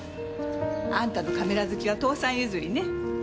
あんたのカメラ好きは父さん譲りね。